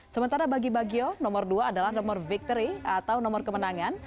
sementara bagi bagio nomor dua adalah nomor victory atau nomor kemenangan